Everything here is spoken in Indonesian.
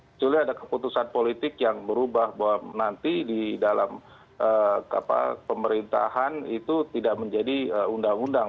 sebetulnya ada keputusan politik yang berubah bahwa nanti di dalam pemerintahan itu tidak menjadi undang undang